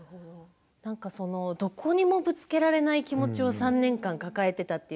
なんかそのどこにもぶつけられない気持ちを３年間抱えていたと。